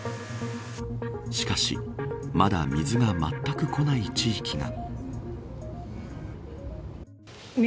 しかし、まだ水がまったく来ない地域が。